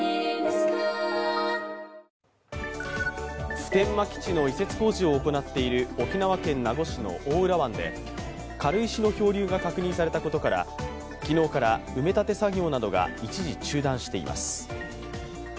普天間基地の移設工事を行っている沖縄県名護市の大浦湾で軽石の漂流が確認されたことから昨日から埋め立て作業などが一時中断しています。